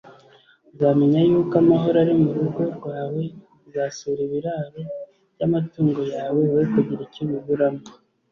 uzamenya yuko amahoro ari mu rugo rwawe, uzasura ibiraro by’amatungo yawe, we kugira icyo ubiburamo